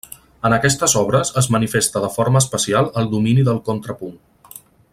En aquestes obres es manifesta de forma especial el domini del contrapunt.